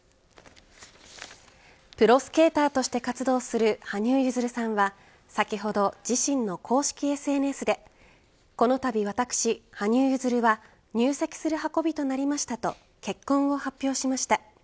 プロスケーターとして活動する羽生結弦さんは先ほど自身の公式ＳＮＳでこのたび私、羽生結弦は入籍する運びとなりましたと結婚を発表しました。